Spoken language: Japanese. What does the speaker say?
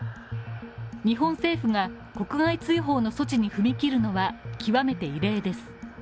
日本政府が国外追放の措置に踏み切るのは極めて異例です。